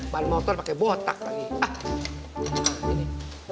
bawa motor pakai botak lagi